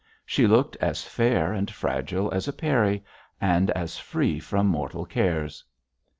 She looked as fair and fragile as a peri, and as free from mortal cares.